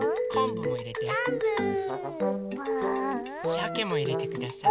しゃけもいれてください。